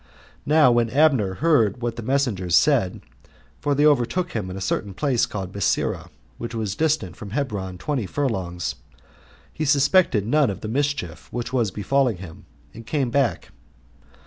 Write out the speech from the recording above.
Now when Abner heard what the messengers said, [for they overtook him in a certain place called Besira, which was distant from Hebron twenty furlongs,] he suspected none of the mischief which was befalling him, and came back.